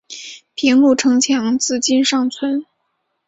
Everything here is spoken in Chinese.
平鲁城墙至今尚存。